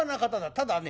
ただね